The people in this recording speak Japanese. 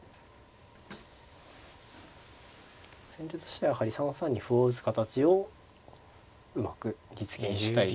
先手としてはやはり３三に歩を打つ形をうまく実現したい。